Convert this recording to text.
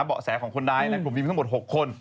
เบาะแสของคนดายรูปมีทั้งหมด๖คน